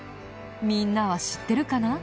みんなは知ってるかな？